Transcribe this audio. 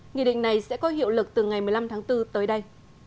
nghị định này sẽ có hiệu lực từ ngày một mươi năm tháng bốn tới đây